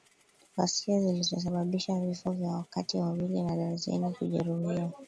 Ghasia zilisababisha vifo vya watu wawili na darzeni kujeruhiwa